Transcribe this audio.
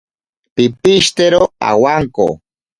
Pipishitero awanko.